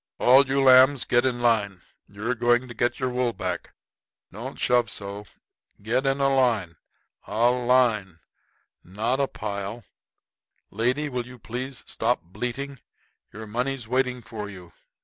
"All you lambs get in line. You're going to get your wool back. Don't shove so. Get in a line a line not in a pile. Lady, will you please stop bleating? Your money's waiting for you.